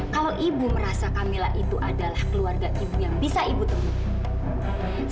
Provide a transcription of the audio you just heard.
kalau ibu merasa camilla itu adalah keluarga ibu yang bisa ibu temui